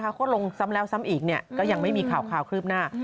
เพราะว่าลงซ้ำแล้วซ้ำอีกเนี่ยก็ยังไม่มีข่าวคลืบหน้า